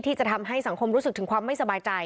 ที่จะทำให้สังคมรู้สึกถึงความไม่สบายใจ